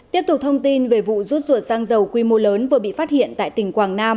tiếp tục thông tin về vụ rút ruột sang dầu quy mô lớn vừa bị phát hiện tại tỉnh quảng nam